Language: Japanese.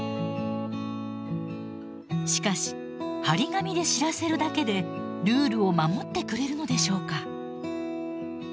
しかし貼り紙で知らせるだけでルールを守ってくれるのでしょうか？